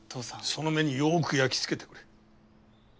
その目によく焼き付けてくれ。